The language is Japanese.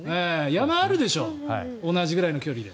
山はあるでしょう同じぐらいの距離で。